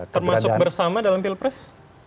termasuk bersama dalam pilpres